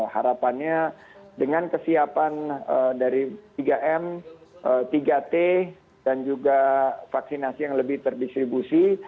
harapannya dengan kesiapan dari tiga m tiga t dan juga vaksinasi yang lebih terdistribusi